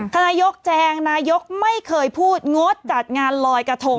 นายกแจงนายกไม่เคยพูดงดจัดงานลอยกระทง